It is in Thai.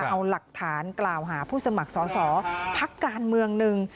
เอาหลักฐานกล่าวหาผู้สมัครสอสอพักการเมืองหนึ่ง